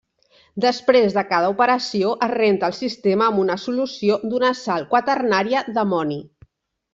Després de cada operació es renta el sistema amb una solució d'una sal quaternària d'amoni.